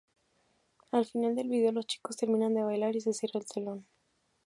Al final del video los chicos terminan de bailar y se cierra el telón.